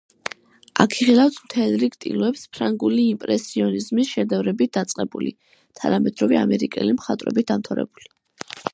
აქ იხილავთ მთელ რიგ ტილოებს ფრანგული იმპრესიონიზმის შედევრებით დაწყებული, თანამედროვე ამერიკელი მხატვრებით დამთავრებული.